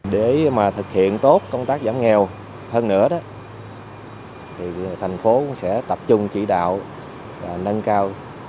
để mà thực hiện tốt công tác giảm nghèo hơn nữa đó thì thành phố sẽ tập trung chỉ đạo nâng cao